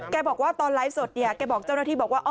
บอกว่าตอนไลฟ์สดเนี่ยแกบอกเจ้าหน้าที่บอกว่า